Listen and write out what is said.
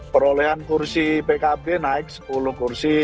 perolehan kursi pkb naik sepuluh kursi